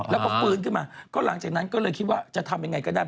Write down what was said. แล้วก็ฟื้นขึ้นมาก็หลังจากนั้นก็เลยคิดว่าจะทำยังไงก็ได้